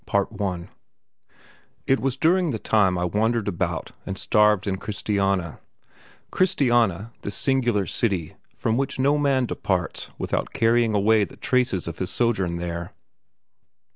Part I It was during the time I wandered about and starved in Christiania: Christiania, this singular city, from which no man departs without carrying away the traces of his sojourn there.